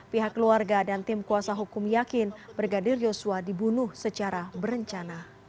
pihak keluarga dan tim kuasa hukum yakin brigadir yosua dibunuh secara berencana